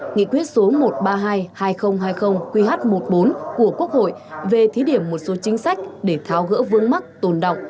nghị quyết số một trăm ba mươi hai hai nghìn hai mươi qh một mươi bốn của quốc hội về thí điểm một số chính sách để tháo gỡ vướng mắt tồn động